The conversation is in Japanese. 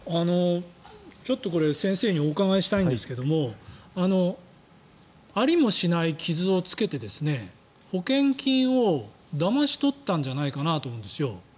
ちょっとこれ先生にお伺いしたいんですがありもしない傷をつけて保険金をだまし取ったんじゃないかなと思うんですよ。